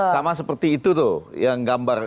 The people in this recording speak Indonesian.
sama seperti itu tuh yang gambar